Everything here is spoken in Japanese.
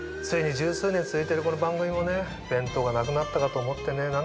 ついに１０数年続いてるこの番組もね弁当がなくなったかと思ってね